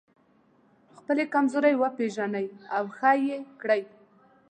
خپلې کمزورۍ وپېژنئ او ښه يې کړئ.